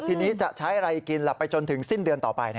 ทีนี้จะใช้อะไรกินล่ะไปจนถึงสิ้นเดือนต่อไป